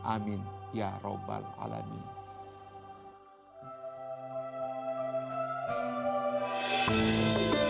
amin ya rabbal alamin